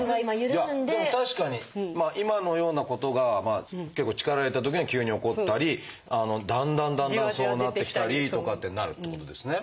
でも確かに今のようなことが結構力を入れたときには急に起こったりだんだんだんだんそうなってきたりとかってなるってことですね。